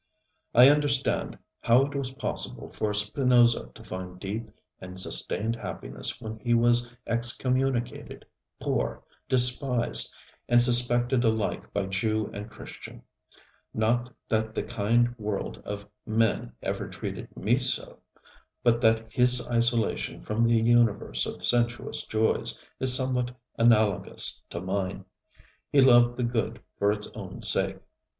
I understand how it was possible for Spinoza to find deep and sustained happiness when he was excommunicated, poor, despised and suspected alike by Jew and Christian; not that the kind world of men ever treated me so, but that his isolation from the universe of sensuous joys is somewhat analogous to mine. He loved the good for its own sake.